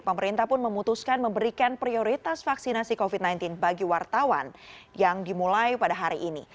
pemerintah pun memutuskan memberikan prioritas vaksinasi covid sembilan belas bagi wartawan yang dimulai pada hari ini